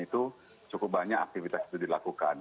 itu cukup banyak aktivitas itu dilakukan